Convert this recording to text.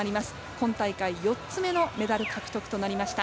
今大会４つ目のメダル獲得となりました。